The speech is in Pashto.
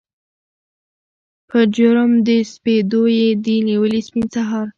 په جرم د سپېدو یې دي نیولي سپین سهار